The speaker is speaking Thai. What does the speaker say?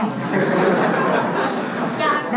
อยากรบร้อยครับ